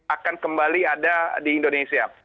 akan kembali ada di indonesia